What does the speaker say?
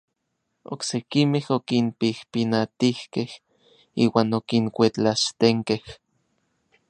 Oksekimej okinpijpinatijkej iuan okinkuetlaxtenkej.